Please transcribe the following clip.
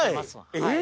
えっ？